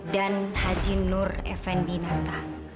dan hajin nur effendi nata